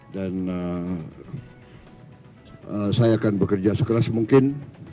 dan saya akan bekerja sekelas mungkin